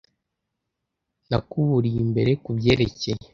nakuburiye mbere kubyerekeye